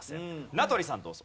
名取さんどうぞ。